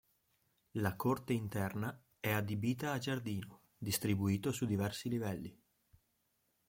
La corte interna è adibita a giardino, distribuito su diversi livelli.